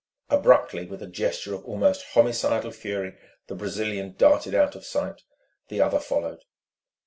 Abruptly, with a gesture of almost homicidal fury, the Brazilian darted out of sight. The other followed.